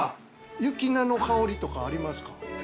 雪菜の香りとかありますか。